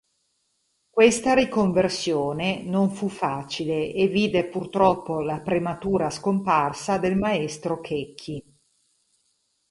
Questa "riconversione" non fu facile e vide purtroppo la prematura scomparsa del maestro Checchi.